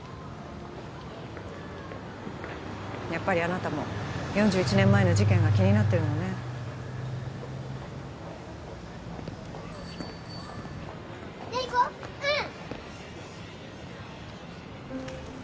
やっぱりあなたも４１年前の事件が気になってるのねじゃ行こううん！